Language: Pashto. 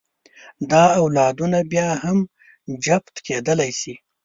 دا اولادونه بیا هم جفت کېدلی شي.